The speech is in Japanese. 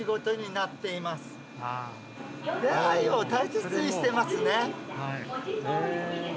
出会いを大切にしてますね。